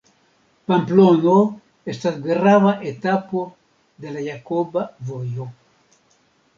Pamplono estas grava etapo de la Jakoba Vojo.